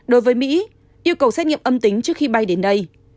đối với mỹ yêu cầu xét nghiệm âm tính trước khi bay đến đây